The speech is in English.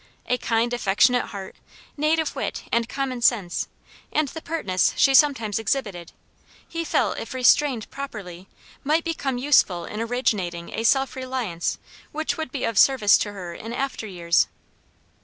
A kind, affectionate heart, native wit, and common sense, and the pertness she sometimes exhibited, he felt if restrained properly, might become useful in originating a self reliance which would be of service to her in after years.